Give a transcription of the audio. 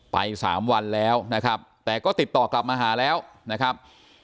สามวันแล้วนะครับแต่ก็ติดต่อกลับมาหาแล้วนะครับ